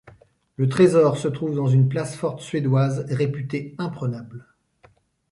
Le trésor se trouve dans une place forte suédoise réputée imprenable.